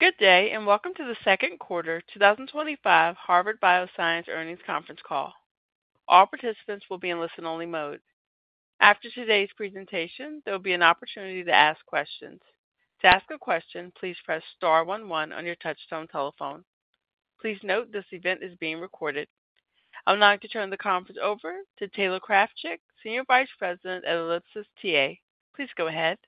Good day and welcome to the 'quarter 2025 Harvard Bioscience Earnings Conference call. All participants will be in listen-only mode. After today's presentation, there will be an opportunity to ask questions. To ask a question, please press *11 on your touch-tone telephone. Please note this event is being recorded. I'm now going to turn the conference over to Taylor Krafchik, Senior Vice President at Ellipsis TA. Please go ahead.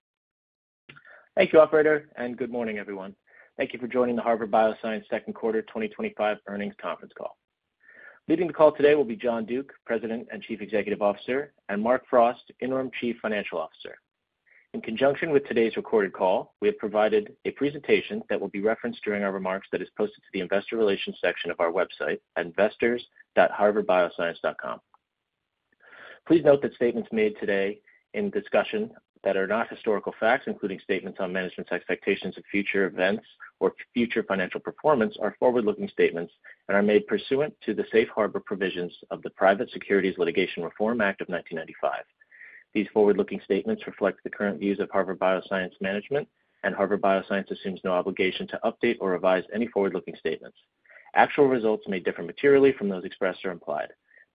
Thank you, operator, and good morning, everyone. Thank you for joining the Harvard Bioscience second quarter 2025 earnings conference call. Leading the call today will be John Duke, President and Chief Executive Officer, and Mark Frost, Interim Chief Financial Officer. In conjunction with today's recorded call, we have provided a presentation that will be referenced during our remarks that is posted to the Investor Relations section of our website at investors.harvardbioscience.com. Please note that statements made today in discussion that are not historical facts, including statements on management's expectations of future events or future financial performance, are forward-looking statements and are made pursuant to the safe harbor provisions of the Private Securities Litigation Reform Act of 1995. These forward-looking statements reflect the current views of Harvard Bioscience management, and Harvard Bioscience assumes no obligation to update or revise any forward-looking statements. Actual results may differ materially from those expressed or implied.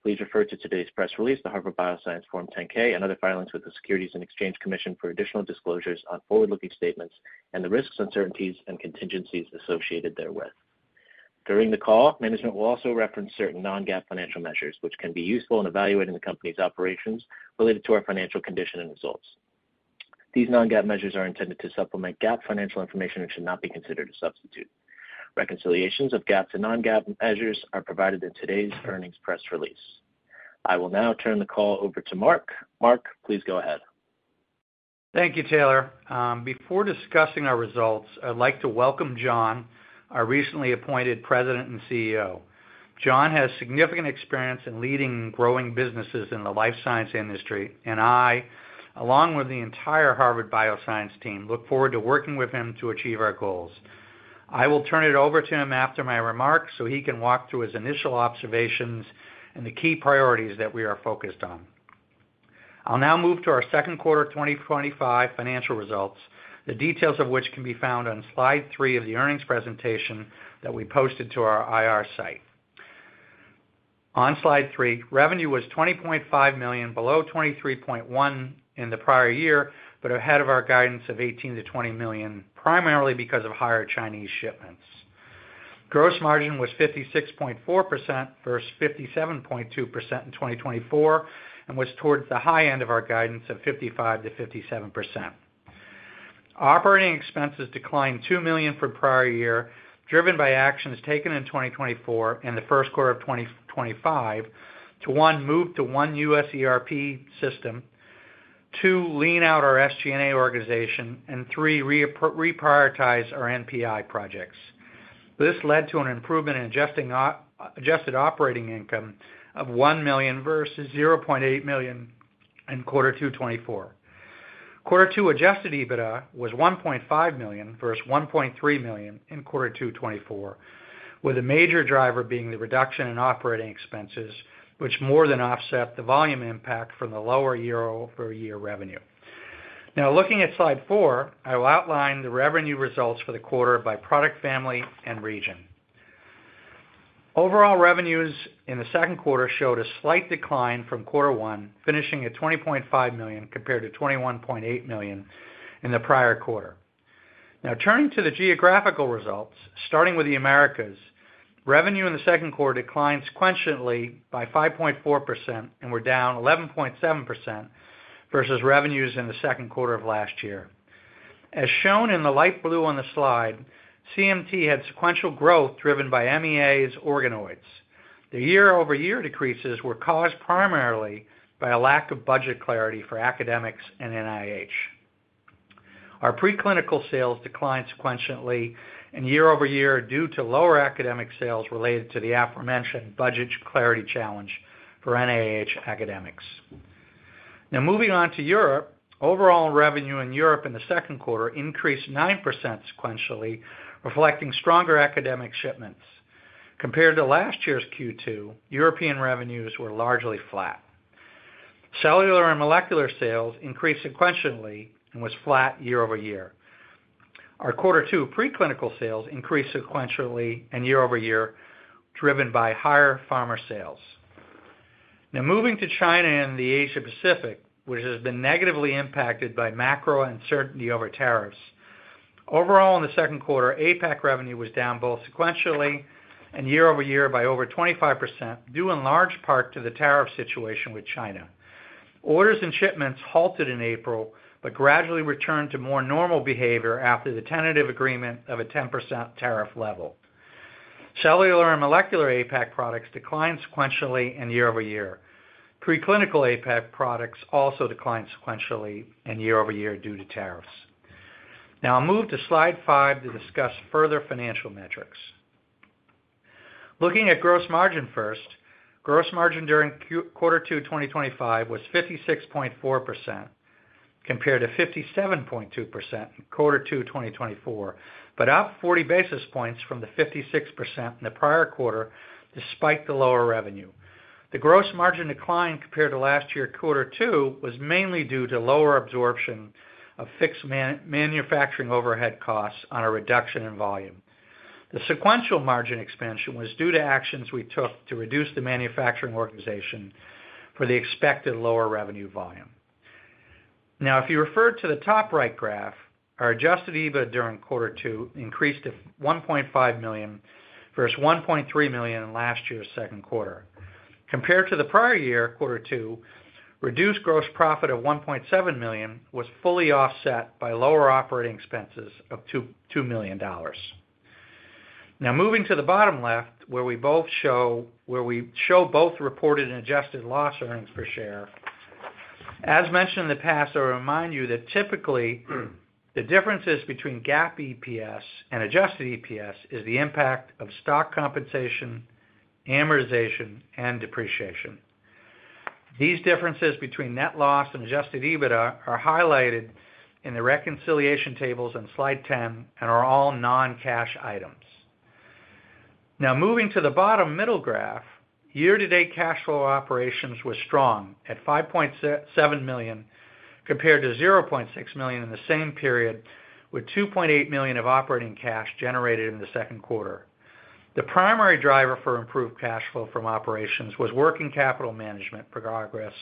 Please refer to today's press release, the Harvard Bioscience Form 10-K, and other filings with the Securities and Exchange Commission for additional disclosures on forward-looking statements and the risks, uncertainties, and contingencies associated therewith. During the call, management will also reference certain non-GAAP financial measures, which can be useful in evaluating the company's operations related to our financial condition and results. These non-GAAP measures are intended to supplement GAAP financial information and should not be considered a substitute. Reconciliations of GAAP to non-GAAP measures are provided in today's earnings press release. I will now turn the call over to Mark. Mark, please go ahead. Thank you, Taylor. Before discussing our results, I'd like to welcome John, our recently appointed President and CEO. John has significant experience in leading and growing businesses in the life science industry, and I, along with the entire Harvard Bioscience team, look forward to working with him to achieve our goals. I will turn it over to him after my remarks so he can walk through his initial observations and the key priorities that we are focused on. I'll now move to our second quarter 2025 financial results, the details of which can be found on slide three of the earnings presentation that we posted to our IR site. On slide three, revenue was $20.5 million, below $23.1 million in the prior year, but ahead of our guidance of $18 million-$20 million, primarily because of higher Chinese shipments. Gross margin was 56.4%, versus 57.2% in 2024, and was towards the high end of our guidance of 55%-57%. Operating expenses declined $2 million from prior year, driven by actions taken in 2024 and the first quarter of 2025 to, one, move to one U.S. ERP system, two, lean out our SG&A organization, and three, reprioritize our NPI projects. This led to an improvement in adjusted operating income of $1 million versus $0.8 million in quarter two 2024. Quarter two adjusted EBITDA was $1.5 million versus $1.3 million in quarter two 2024, with a major driver being the reduction in operating expenses, which more than offset the volume impact from the lower year-over-year revenue. Now, looking at slide four, I will outline the revenue results for the quarter by product family and region. Overall revenues in the second quarter showed a slight decline from quarter one, finishing at $20.5 million compared to $21.8 million in the prior quarter. Now, turning to the geographical results, starting with the Americas, revenue in the second quarter declined sequentially by 5.4% and were down 11.7% versus revenues in the second quarter of last year. As shown in the light blue on the slide, CMT had sequential growth driven by MEAs organoids. The year-over-year decreases were caused primarily by a lack of budget clarity for academics and NIH. Our preclinical sales declined sequentially and year-over-year due to lower academic sales related to the aforementioned budget clarity challenge for NIH academics. Now, moving on to Europe, overall revenue in Europe in the second quarter increased 9% sequentially, reflecting stronger academic shipments. Compared to last year's Q2, European revenues were largely flat. Cellular and molecular sales increased sequentially and were flat year-over-year. Our quarter two preclinical sales increased sequentially and year-over-year, driven by higher pharma sales. Now, moving to China and the Asia-Pacific, which has been negatively impacted by macro uncertainty over tariffs, overall in the second quarter, APAC revenue was down both sequentially and year-over-year by over 25%, due in large part to the tariff situation with China. Orders and shipments halted in April but gradually returned to more normal behavior after the tentative agreement of a 10% tariff level. Cellular and molecular APAC products declined sequentially and year-over-year. Preclinical APAC products also declined sequentially and year-over-year due to tariffs. Now, I'll move to slide five to discuss further financial metrics. Looking at gross margin first, gross margin during quarter two 2025 was 56.4% compared to 57.2% in quarter two 2024, but up 40 basis points from the 56% in the prior quarter despite the lower revenue. The gross margin decline compared to last year quarter two was mainly due to lower absorption of fixed manufacturing overhead costs on a reduction in volume. The sequential margin expansion was due to actions we took to reduce the manufacturing organization for the expected lower revenue volume. Now, if you refer to the top right graph, our adjusted EBITDA during quarter two increased to $1.5 million versus $1.3 million in last year's second quarter. Compared to the prior year, quarter two, reduced gross profit of $1.7 million was fully offset by lower operating expenses of $2 million. Now, moving to the bottom left, where we show both reported and adjusted loss earnings per share. As mentioned in the past, I will remind you that typically, the differences between GAAP EPS and adjusted EPS is the impact of stock compensation, amortization, and depreciation. These differences between net loss and adjusted EBITDA are highlighted in the reconciliation tables on slide 10 and are all non-cash items. Now, moving to the bottom middle graph, year-to-date cash flow operations were strong at $5.7 million compared to $0.6 million in the same period, with $2.8 million of operating cash generated in the second quarter. The primary driver for improved cash flow from operations was working capital management progress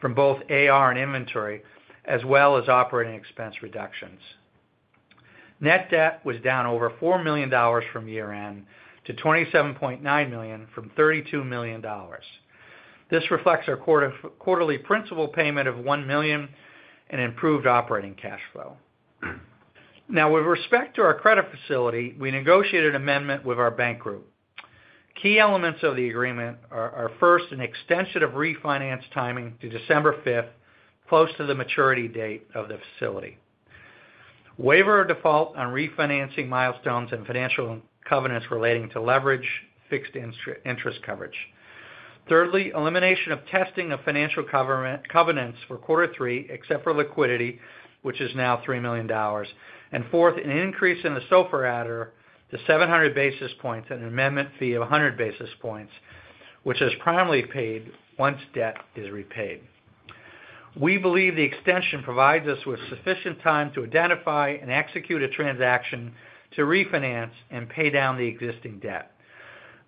from both AR and inventory, as well as operating expense reductions. Net debt was down over $4 million from year-end to $27.9 million from $32 million. This reflects our quarterly principal payment of $1 million and improved operating cash flow. Now, with respect to our credit facility, we negotiated an amendment with our bank group. Key elements of the agreement are, first, an extension of refinance timing to December 5th, close to the maturity date of the facility. Waiver of default on refinancing milestones and financial covenants relating to leverage, fixed interest coverage. Thirdly, elimination of testing of financial covenants for quarter three, except for liquidity, which is now $3 million. Fourth, an increase in the SOFR adder to 700 basis points and an amendment fee of 100 basis points, which is primarily paid once debt is repaid. We believe the extension provides us with sufficient time to identify and execute a transaction to refinance and pay down the existing debt.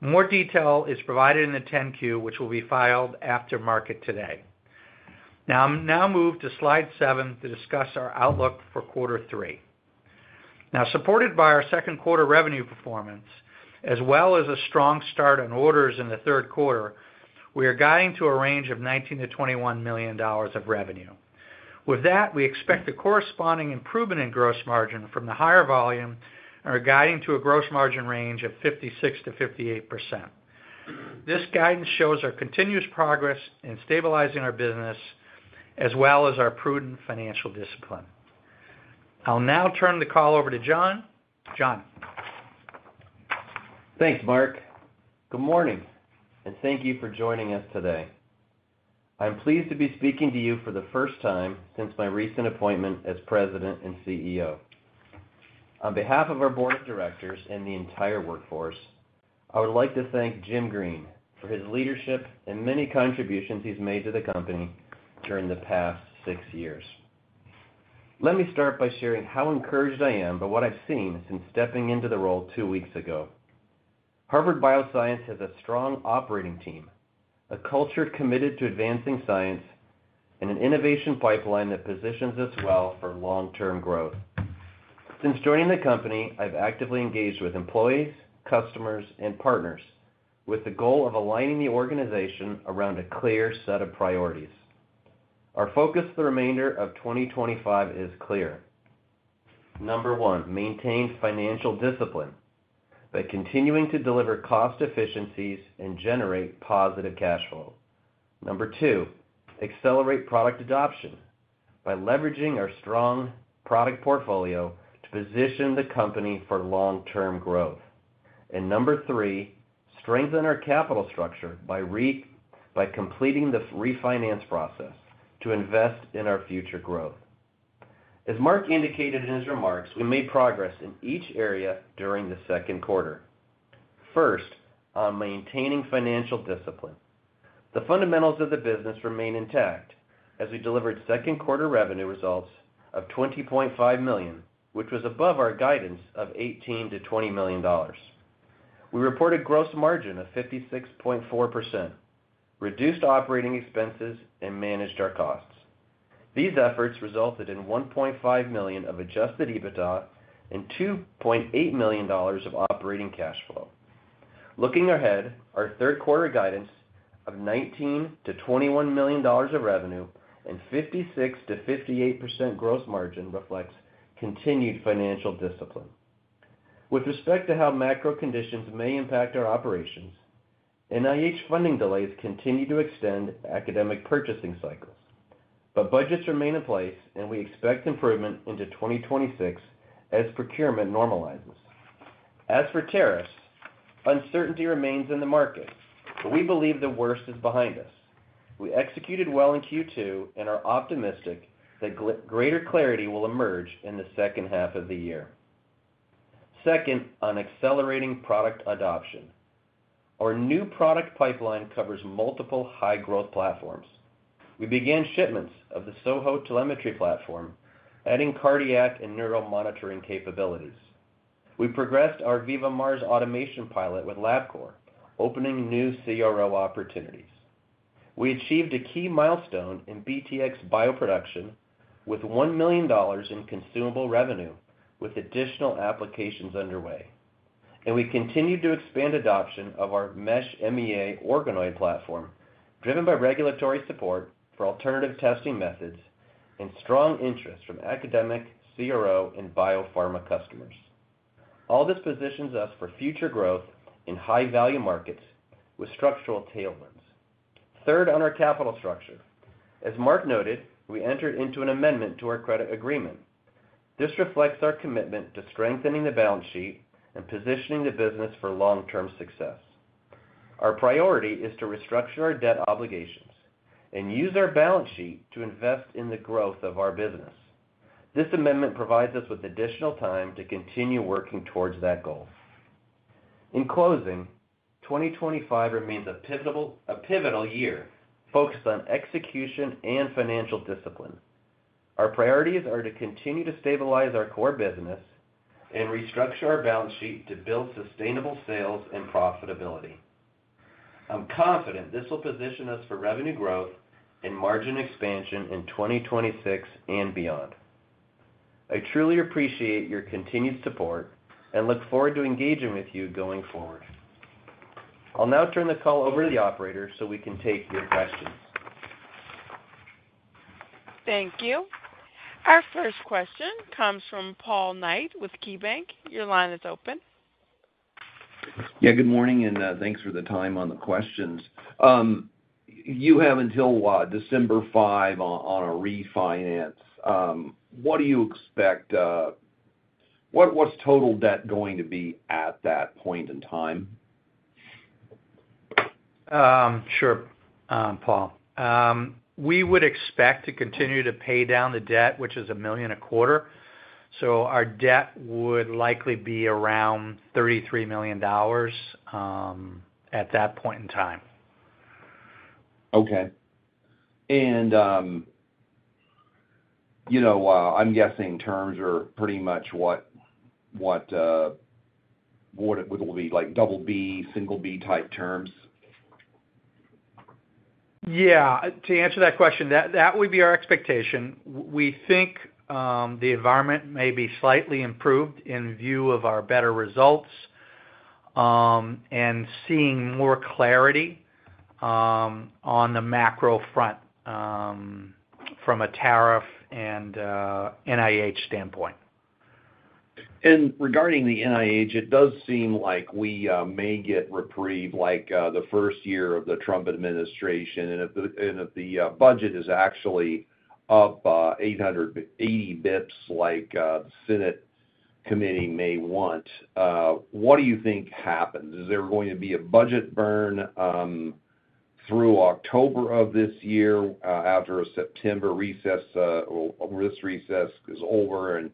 More detail is provided in the 10-Q, which will be filed after market today. Now, I'll now move to slide seven to discuss our outlook for quarter three. Supported by our second quarter revenue performance, as well as a strong start on orders in the third quarter, we are guiding to a range of $19-$21 million of revenue. With that, we expect the corresponding improvement in gross margin from the higher volume and are guiding to a gross margin range of 56%-58%. This guidance shows our continuous progress in stabilizing our business, as well as our prudent financial discipline. I'll now turn the call over to John. John. Thanks, Mark. Good morning, and thank you for joining us today. I'm pleased to be speaking to you for the first time since my recent appointment as President and CEO. On behalf of our Board of Directors and the entire workforce, I would like to thank Jim Green for his leadership and many contributions he's made to the company during the past six years. Let me start by sharing how encouraged I am by what I've seen since stepping into the role two weeks ago. Harvard Bioscience has a strong operating team, a culture committed to advancing science, and an innovation pipeline that positions us well for long-term growth. Since joining the company, I've actively engaged with employees, customers, and partners with the goal of aligning the organization around a clear set of priorities. Our focus for the remainder of 2025 is clear. Number one, maintain financial discipline by continuing to deliver cost efficiencies and generate positive cash flow. Number two, accelerate product adoption by leveraging our strong product portfolio to position the company for long-term growth. Number three, strengthen our capital structure by completing the refinance process to invest in our future growth. As Mark indicated in his remarks, we made progress in each area during the second quarter. First, on maintaining financial discipline. The fundamentals of the business remain intact as we delivered second quarter revenue results of $20.5 million, which was above our guidance of $18 million-$20 million. We reported gross margin of 56.4%, reduced operating expenses, and managed our costs. These efforts resulted in $1.5 million of adjusted EBITDA and $2.8 million of operating cash flow. Looking ahead, our third quarter guidance of $19 million-$21 million of revenue and 56%-58% gross margin reflects continued financial discipline. With respect to how macro conditions may impact our operations, NIH funding delays continue to extend academic purchasing cycles. Budgets remain in place, and we expect improvement into 2026 as procurement normalizes. As for tariffs, uncertainty remains in the markets, but we believe the worst is behind us. We executed well in Q2 and are optimistic that greater clarity will emerge in the second half of the year. Second, on accelerating product adoption. Our new product pipeline covers multiple high-growth platforms. We began shipments of the SoHo telemetry platform, adding cardiac and neural monitoring capabilities. We progressed our VivaMARS automation pilot with Labcorp, opening new CRO opportunities. We achieved a key milestone in BTX electroporation systems bioproduction with $1 million in consumable revenue, with additional applications underway. We continued to expand adoption of our Mesh MEA Organoid Platform, driven by regulatory support for alternative testing methods and strong interest from academic, CRO, and biopharma customers. All this positions us for future growth in high-value markets with structural tailwinds. Third, on our capital structure. As Mark noted, we entered into an amendment to our credit agreement. This reflects our commitment to strengthening the balance sheet and positioning the business for long-term success. Our priority is to restructure our debt obligations and use our balance sheet to invest in the growth of our business. This amendment provides us with additional time to continue working towards that goal. In closing, 2025 remains a pivotal year focused on execution and financial discipline. Our priorities are to continue to stabilize our core business and restructure our balance sheet to build sustainable sales and profitability. I'm confident this will position us for revenue growth and margin expansion in 2026 and beyond. I truly appreciate your continued support and look forward to engaging with you going forward. I'll now turn the call over to the operator so we can take your questions. Thank you. Our first question comes from Paul Knight with KeyBanc. Your line is open. Good morning, and thanks for the time on the questions. You have until December 5 on a refinance. What do you expect? What's total debt going to be at that point in time? Sure, Paul. We would expect to continue to pay down the debt, which is $1 million a quarter. Our debt would likely be around $33 million at that point in time. Okay. I'm guessing terms are pretty much what would be like double B, single B type terms? Yeah, to answer that question, that would be our expectation. We think the environment may be slightly improved in view of our better results and seeing more clarity on the macro front from a tariff and NIH standpoint. Regarding the NIH, it does seem like we may get reprieve like the first year of the Trump administration. If the budget is actually up 880 bps like the Senate Committee may want, what do you think happens? Is there going to be a budget burn through October of this year after a September recess? This recess is over and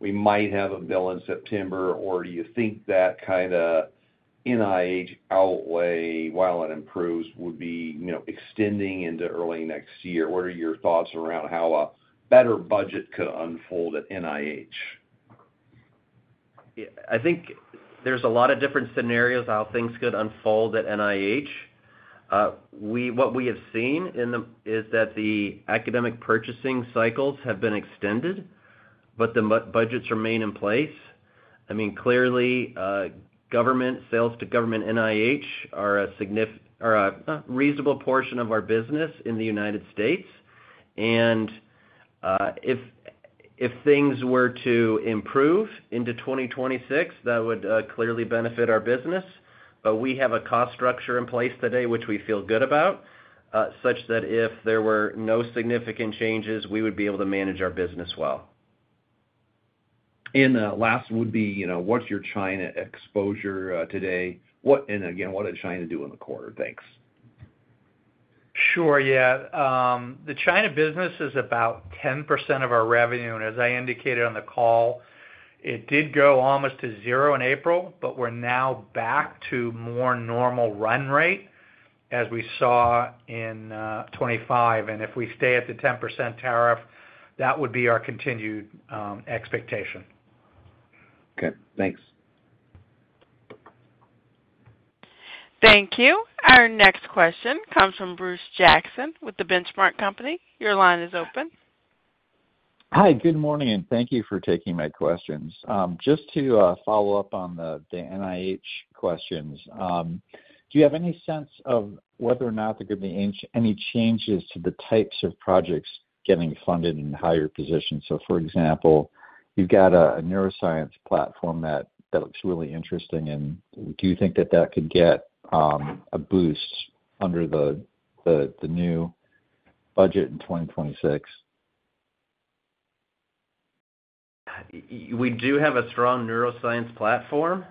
we might have a bill in September. Do you think that kind of NIH outlay, while it improves, would be extending into early next year? What are your thoughts around how a better budget could unfold at NIH? I think there's a lot of different scenarios how things could unfold at NIH. What we have seen is that the academic purchasing cycles have been extended, but the budgets remain in place. I mean, clearly, government sales to government NIH are a reasonable portion of our business in the U.S. If things were to improve into 2026, that would clearly benefit our business. We have a cost structure in place today, which we feel good about, such that if there were no significant changes, we would be able to manage our business well. What is your China exposure today? What did China do in the quarter? Thanks. Sure, yeah. The China business is about 10% of our revenue. As I indicated on the call, it did go almost to zero in April, but we're now back to a more normal run rate as we saw in 2025. If we stay at the 10% tariff, that would be our continued expectation. Okay, thanks. Thank you. Our next question comes from Bruce Jackson with The Benchmark Company. Your line is open. Hi, good morning, and thank you for taking my questions. Just to follow up on the NIH questions, do you have any sense of whether or not there could be any changes to the types of projects getting funded in higher positions? For example, you've got a neuroscience platform that looks really interesting, and do you think that that could get a boost under the new budget in 2026? We do have a strong neuroscience platform,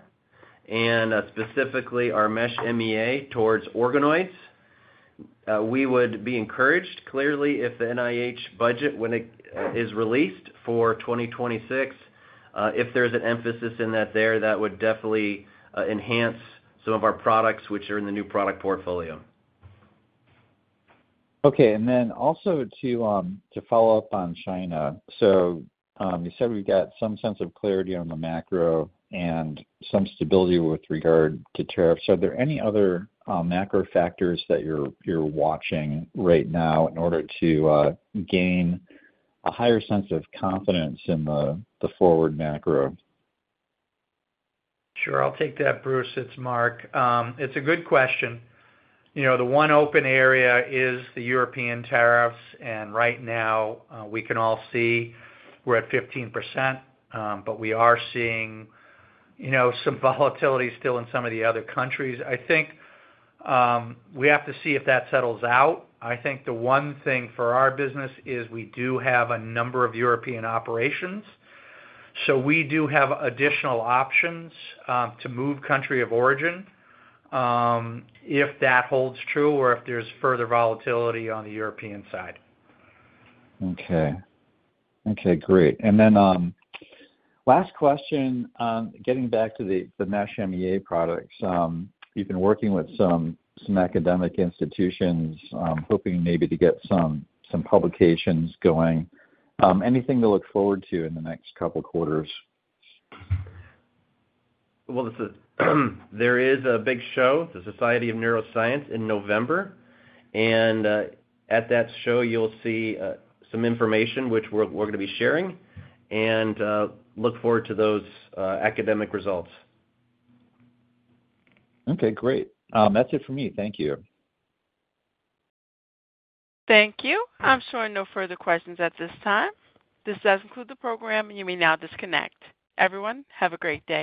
and specifically our Mesh MEA Organoid Platform. We would be encouraged, clearly, if the NIH budget, when it is released for 2026, if there's an emphasis in that there, that would definitely enhance some of our products which are in the new product portfolio. Okay, to follow up on China, you said we've got some sense of clarity on the macro and some stability with regard to tariffs. Are there any other macro factors that you're watching right now in order to gain a higher sense of confidence in the forward macro? Sure, I'll take that, Bruce. It's Mark. It's a good question. You know, the one open area is the European tariffs, and right now, we can all see we're at 15%, but we are seeing some volatility still in some of the other countries. I think we have to see if that settles out. I think the one thing for our business is we do have a number of European operations. We do have additional options to move country of origin if that holds true or if there's further volatility on the European side. Okay, great. Last question, getting back to the Mesh MEA Prganoid platform. You've been working with some academic institutions, hoping maybe to get some publications going. Anything to look forward to in the next couple of quarters? There is a big show at the Society of Neuroscience in November. At that show, you'll see some information which we're going to be sharing. Look forward to those academic results. Okay, great. That's it for me. Thank you. Thank you. I'm showing no further questions at this time. This does conclude the program, and you may now disconnect. Everyone, have a great day.